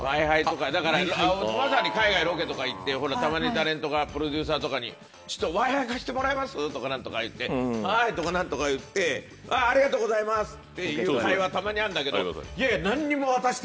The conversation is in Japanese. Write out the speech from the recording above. だからまさに海外ロケとか行ってたまにタレントがプロデューサーとかに。とか何とか言って「はい」とか何とか言って「ありがとうございます」っていう会話たまにあんだけど。